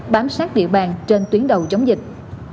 bám sát địa bàn trên tuyến đầu chống dịch